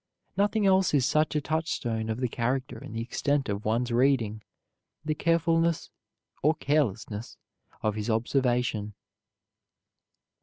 Nothing else is such a touchstone of the character and the extent of one's reading, the carefulness or carelessness of his observation.